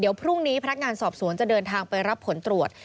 เดี๋ยวพรุ่งนี้พนักงานสอบสวนจะเดินทางไปรับผลตรวจ